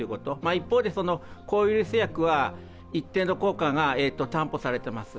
一方で、こういう製薬は抗ウイルス薬は一定の効果が担保されています。